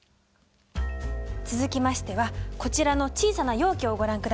続きましてはこちらの小さな容器をご覧ください。